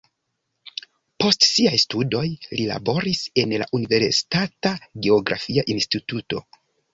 Post siaj studoj li laboris en la universitata geografia instituto.